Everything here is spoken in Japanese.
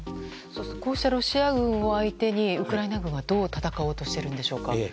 こうしたロシア軍を相手にウクライナ軍がどう戦おうとしているんでしょうか。